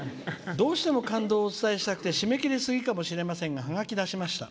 「どうしても感動をお伝えしたくて締め切りすぎかもしれませんがハガキ、出しました。